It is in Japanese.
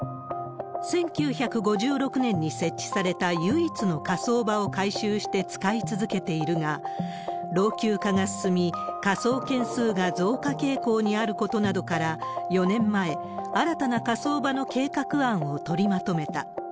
１９５６年に設置された唯一の火葬場を改修して使い続けているが、老朽化が進み、火葬件数が増加傾向にあることなどから、４年前、新たな火葬場の計画案を取りまとめた。